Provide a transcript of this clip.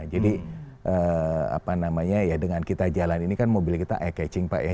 jadi apa namanya ya dengan kita jalan ini kan mobil kita eye catching pak ya